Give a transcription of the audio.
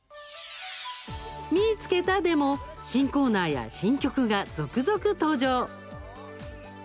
「みいつけた！」でも新コーナーや新曲が続々登場。